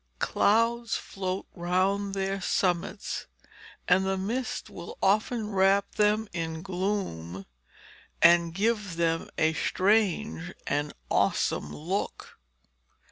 Clouds float around their summits, and the mist will often wrap them in gloom and give them a strange and awesome look.